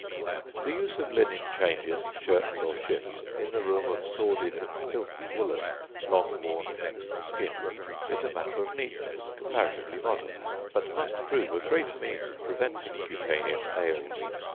The use of linen changes, shirts or shifts, in the room of sordid and filthy woollen, long worn next the skin, is a matter of neatness comparatively modern; but must prove a great means of preventing cutaneous ails.